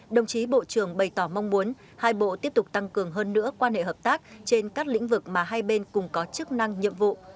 đồng chí bộ trưởng bày tỏ mong muốn hai bộ tiếp tục tăng cường hơn nữa quan hệ hợp tác trên các lĩnh vực mà hai bên cùng có chức năng nhiệm vụ